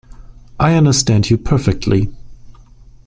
I understand you perfectly.